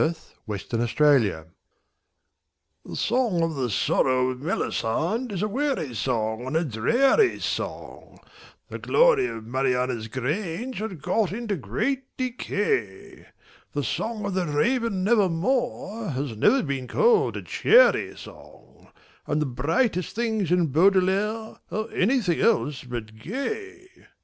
The Song Against Songs The song of the sorrow of Melisande is a weary song and a dreary song, The glory of Mariana's grange had got into great decay, The song of the Raven Never More has never been called a cheery song, And the brightest things in Baudelaire are anything else but gay.